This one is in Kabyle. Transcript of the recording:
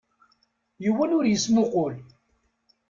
Yiwen ur yesmuqul.